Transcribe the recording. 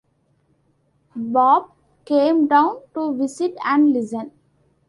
Bob came down to visit and listen.